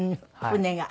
船が。